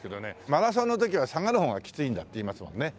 マラソンの時は下がる方がきついんだって言いますもんね。